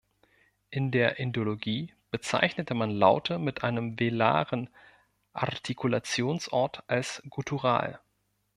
In der Indologie bezeichnete man Laute mit einem velaren Artikulationsort als guttural.